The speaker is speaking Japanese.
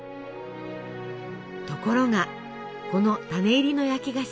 ところがこの「種入りの焼き菓子」。